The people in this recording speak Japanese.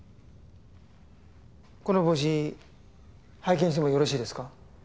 この帽子拝見してもよろしいですか？